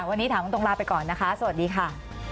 วันนี้ถามตรงลาไปก่อนนะคะสวัสดีค่ะ